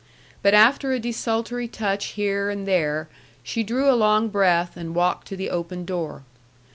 But after a desultory touch here and there she drew a long breath and walked to the open door.